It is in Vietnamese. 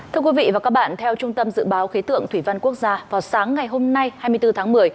thưa quý vị và các bạn theo trung tâm dự báo khí tượng thủy văn quốc gia vào sáng ngày hôm nay hai mươi bốn tháng một mươi